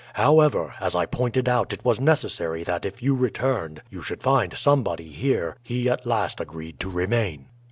However, as I pointed out it was necessary that if you returned you should find somebody here, he at last agreed to remain.